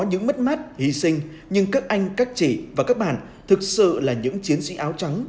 những mất mát hy sinh nhưng các anh các chị và các bạn thực sự là những chiến sĩ áo trắng